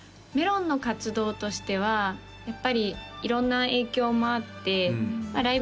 めろんの活動としてはやっぱり色んな影響もあってまあ